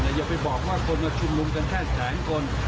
อย่าไปบอกว่าคนมาชุมนุมกันแค่แสนคน